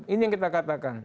ini yang kita katakan